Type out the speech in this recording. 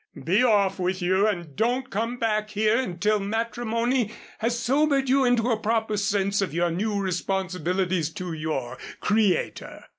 Be off with you and don't come back here until matrimony has sobered you into a proper sense of your new responsibilities to your Creator."